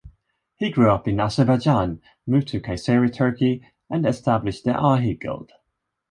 He grew up in Azerbaijan, moved to Kayseri, Turkey and established the "Ahi" guild.